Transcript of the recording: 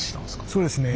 そうですね。